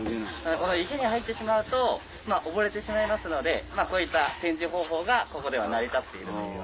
この池に入ってしまうと溺れてしまいますのでこういった展示方法がここでは成り立っているという。